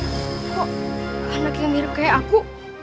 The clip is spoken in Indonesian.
kok anak yang mirip kayak aku